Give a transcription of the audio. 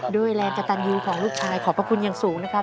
แรงกระตันยูของลูกชายขอบพระคุณอย่างสูงนะครับ